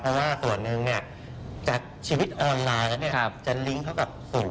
แต่ว่าส่วนหนึ่งจากชีวิตออนไลน์จะลิงก์เข้ากับศูนย์